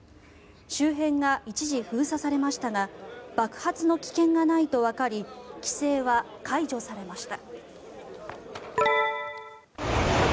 周辺が一時、封鎖されましたが爆発の危険がないとわかり規制は解除されました。